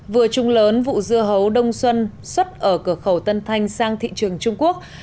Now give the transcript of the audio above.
vừa trùng lớn vụ dưa hấu đông xuân xuất ở cửa khẩu tân thanh sang thị trường trung quốc